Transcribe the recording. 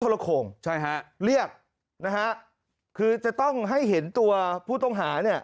ละโขงใช่เรียกนะฮะจะต้องให้เห็นตัวผู้ทงหานี้